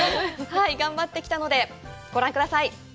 はい、頑張ってきたので、ご覧ください！